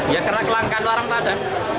ya karena kelangkahan warang tak ada